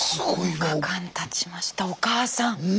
９日間たちましたお母さん。